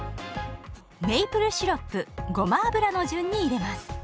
メイプルシロップごま油の順に入れます。